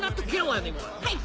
はい！